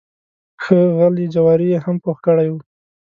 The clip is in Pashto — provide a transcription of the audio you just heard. ښه غلي جواري یې هم پوخ کړی و.